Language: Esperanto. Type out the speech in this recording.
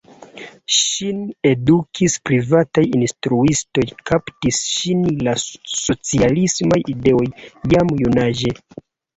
Ŝin edukis privataj instruistoj, kaptis ŝin la socialismaj ideoj jam junaĝe.